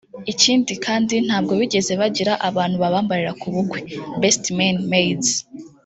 Ikindi kandi ntabwo bigeze bagira abantu babambarira ku bukwe (best men/maids)